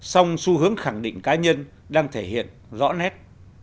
song xu hướng khẳng định cá nhân đang thể hiện rõ nét